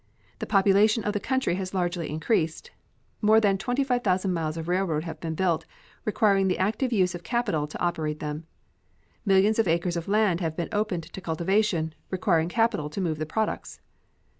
The population of the country has largely increased. More than 25,000 miles of railroad have been built, requiring the active use of capital to operate them. Millions of acres of land have been opened to cultivation, requiring capital to move the products.